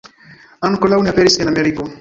Ankoraŭ ne aperis en Ameriko.